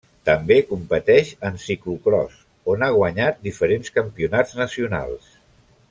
També competeix en ciclocròs, on ha guanyat diferents campionats nacionals.